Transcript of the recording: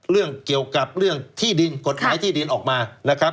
เรื่องเกี่ยวกับเรื่องที่ดินกฎหมายที่ดินออกมานะครับ